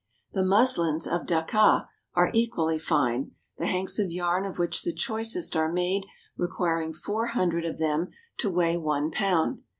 The muslins of Dacca are equally fine, the hanks of yarn of which the choicest are made requiring four hundred of them to weigh one pound.